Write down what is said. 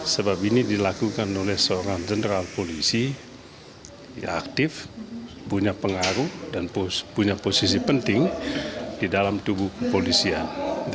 sebab ini dilakukan oleh seorang general polisi yang aktif punya pengaruh dan punya posisi penting di dalam tubuh kepolisian